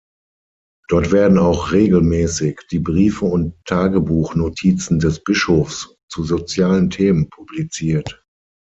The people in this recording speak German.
Dort werden auch regelmäßig die Briefe und Tagebuchnotizen des Bischofs zu sozialen Themen publiziert.